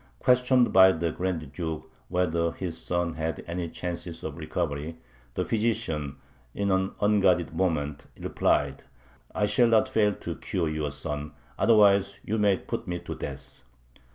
Questioned by the Grand Duke whether his son had any chances of recovery, the physician, in an unguarded moment, replied: "I shall not fail to cure your son; otherwise you may put me to death!"